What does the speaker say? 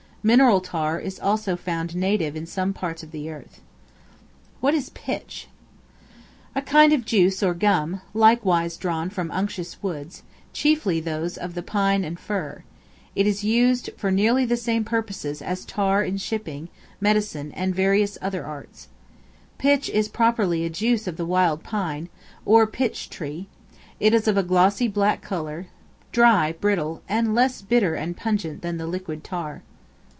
Mineral tar is also found native in some parts of the earth. What is Pitch? A kind of juice or gum, likewise drawn from unctuous woods, chiefly those of the pine and fir; it is used for nearly the same purposes as tar in shipping, medicine, and various other arts. Pitch is properly a juice of the wild pine, or pitch tree; it is of a glossy black color, dry brittle, and less bitter and pungent than the liquid tar.